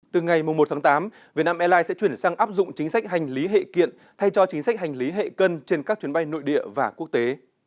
từ ngày một tháng tám vietnam airlines sẽ chuyển sang áp dụng chính sách hành lý hệ kiện thay cho chính sách hành lý hệ cân trên các chuyến bay nội địa và quốc tế